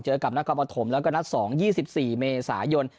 เจอกับนักความประถมแล้วก็นัดสอง๒๔เมษายน